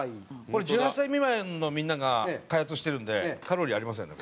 これ１８歳未満のみんなが開発してるんでカロリーありませんね。